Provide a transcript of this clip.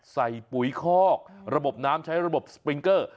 ปุ๋ยคอกระบบน้ำใช้ระบบสปริงเกอร์